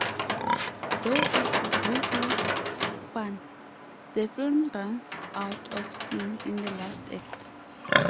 Though it's breathless fun, the film runs out of steam in the last act.